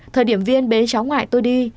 thời điểm viên bế cháu ngoại tôi đi